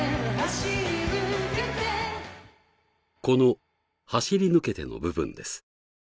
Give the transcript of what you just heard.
この「走りぬけて」の部分です